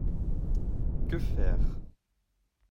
Que faire ?